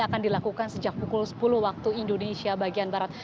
akan dilakukan sejak pukul sepuluh waktu indonesia bagian barat